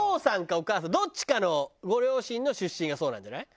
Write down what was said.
お母さんどっちかのご両親の出身がそうなんじゃない？